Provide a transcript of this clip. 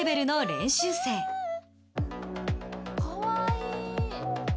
かわいい！